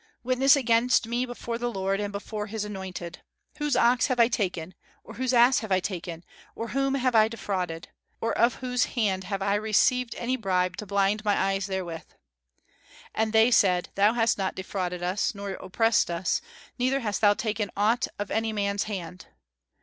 Witness against me before the Lord, and before his anointed. Whose ox have I taken, or whose ass have I taken, or whom have I defrauded? Or of whose hand have I received any bribe to blind my eyes therewith? And they said, Thou hast not defrauded us, nor oppressed us; neither hast thou taken aught of any man's hand."